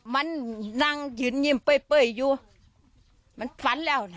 มันนั่งยืนยิ้มเป้ยเป้ยอยู่มันฝันแล้วนะ